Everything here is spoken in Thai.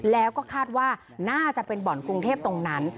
แล้วก็คาดว่าน่าจะเป็นบ่อนกรุงเทพตรงนั้น